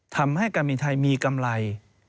ทำให้การบินไทยมีกำไร